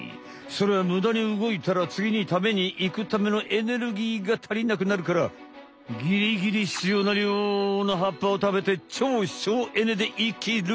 それはむだにうごいたらつぎにたべにいくためのエネルギーがたりなくなるからギリギリ必要な量の葉っぱをたべて超省エネで生きる。